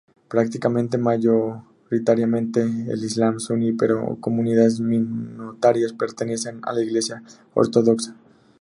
Practican mayoritariamente el islam suní, pero comunidades minoritarias pertenecen a la Iglesia ortodoxa.